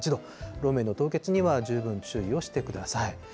路面の凍結には十分注意をしてください。